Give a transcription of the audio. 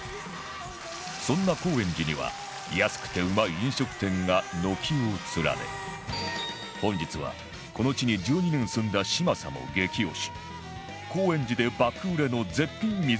そんな高円寺には安くてうまい飲食店が軒を連ね本日はこの地に１２年住んだ嶋佐も激推し高円寺で爆売れの絶品水